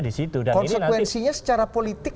di situ konsekuensinya secara politik